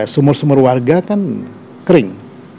sumur sumur warga kan kering